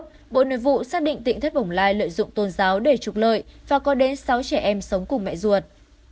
cuối tháng một mươi một năm hai nghìn hai mươi một bộ nội vụ xác định tỉnh thất bồng lai lợi dụng tôn giáo để trục lợi và có đến sáu trẻ em sống cùng mẹ ruột